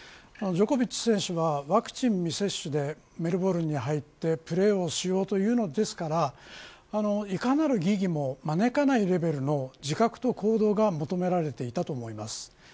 ジョコビッチ選手はワクチン未接種でメルボルンに入ってプレーをしようというのですからいかなる疑義も招かないレベルの自覚と行動が求められていたと思います。